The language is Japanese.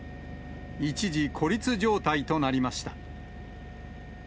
一時、孤立状態となりました。